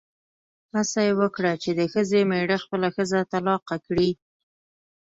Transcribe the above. هڅه یې وکړه چې د ښځې مېړه خپله ښځه طلاقه کړي.